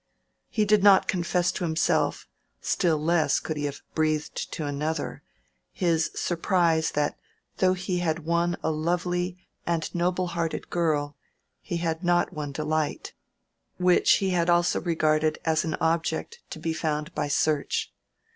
He did not confess to himself, still less could he have breathed to another, his surprise that though he had won a lovely and noble hearted girl he had not won delight,—which he had also regarded as an object to be found by search.